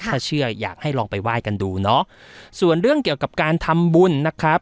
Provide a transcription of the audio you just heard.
ถ้าเชื่ออยากให้ลองไปไหว้กันดูเนาะส่วนเรื่องเกี่ยวกับการทำบุญนะครับ